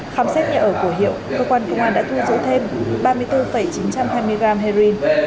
khám xét nhà ở của hiệu cơ quan công an đã thu giữ thêm ba mươi bốn chín trăm hai mươi gram heroin